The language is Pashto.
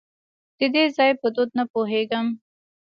د دې ځای په دود نه پوهېږم .